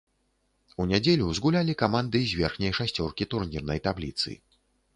У нядзелю згулялі каманды з верхняй шасцёркі турнірнай табліцы.